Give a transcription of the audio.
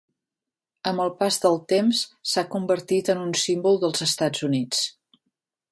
Amb el pas del temps s'ha convertit en un símbol dels Estats Units.